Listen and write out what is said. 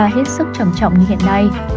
và hết sức trầm trọng như hiện nay